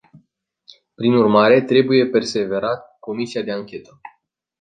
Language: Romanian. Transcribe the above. Prin urmare, trebuie perseverat cu comisia de anchetă.